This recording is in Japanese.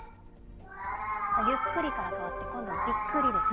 ゆっくりから変わって今度、びっくりです。